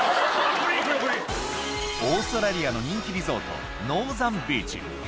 オーストラリアの人気リゾートノーザンビーチ